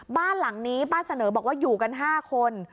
บ้านหลังนี้ป้าเสนอบอกว่าอยู่กัน๕คน